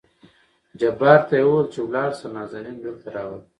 جبار ته يې ووېل چې ولاړ شه نازنين دلته راوله.